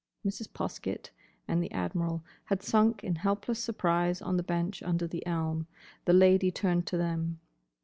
Mrs. Poskett and the Admiral had sunk in helpless surprise on the bench under the elm. The Lady turned to them.